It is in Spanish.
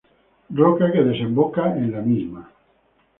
Roca que desemboca en la misma.